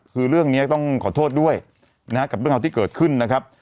คือเรื่องนี้ต้องขอโทษด้วยนะฮะกับเรื่องราวที่เกิดขึ้นนะครับ